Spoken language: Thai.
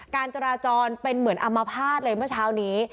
การจราจรเป็นเหมือนอัมพาตเลยเมื่อเช้านี้